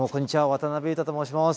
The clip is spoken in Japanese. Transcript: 渡辺裕太と申します。